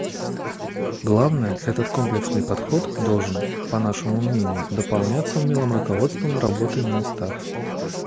Главное, этот комплексный подход должен, по нашему мнению, дополняться умелым руководством работой на местах.